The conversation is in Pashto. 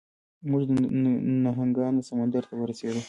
موږ د نهنګانو سمندر ته ورسیدو.